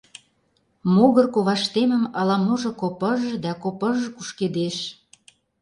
Могыр коваштемым ала-можо копыж да копыж кушкедеш.